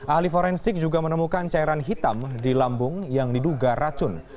ahli forensik juga menemukan cairan hitam di lambung yang diduga racun